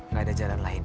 gak ada jalan lain